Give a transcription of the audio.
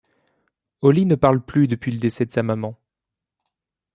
Holly ne parle plus depuis le décès de sa maman.